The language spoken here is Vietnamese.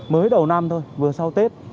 mới đầu năm thôi vừa sau tết